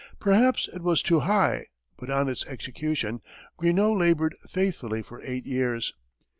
Perhaps it was too high, but on its execution Greenough labored faithfully for eight years.